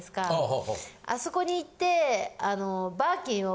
あそこに行って。